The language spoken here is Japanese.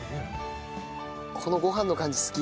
このご飯の感じ好き。